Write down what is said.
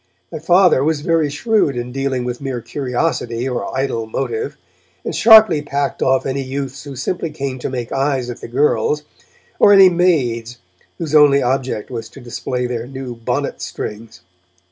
My Father was very shrewd in dealing with mere curiosity or idle motive, and sharply packed off any youths who simply came to make eyes at the girls, or any 'maids' whose only object was to display their new bonnet strings.